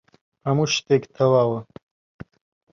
هەموو شتێک تەواوە.